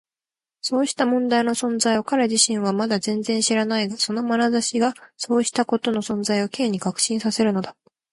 そうした問題の存在を彼自身はまだ全然知らないが、そのまなざしがそうしたことの存在を Ｋ に確信させるのだった。